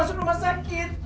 masuk rumah sakit